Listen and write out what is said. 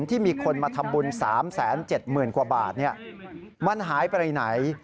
ที่มีคนมาทำบุญ๓๗๐๐๐กว่าบาทมันหายไปไหน